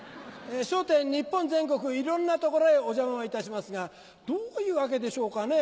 『笑点』日本全国いろんな所へお邪魔をいたしますがどういう訳でしょうかね